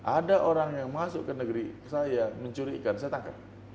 ada orang yang masuk ke negeri saya mencuri ikan saya tangkap